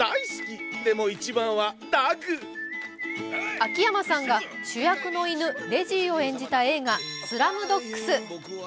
秋山さんが主役の犬、レジーを演じた映画「スラムドッグス」。